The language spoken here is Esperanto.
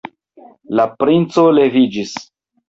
La princo leviĝis.